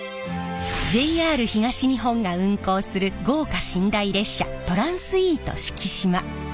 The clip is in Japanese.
ＪＲ東日本が運行する豪華寝台列車トランスイート四季島。